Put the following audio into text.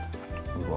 うわ